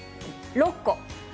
６個。